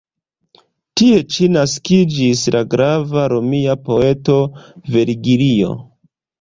Tie ĉi naskiĝis la grava romia poeto Vergilio.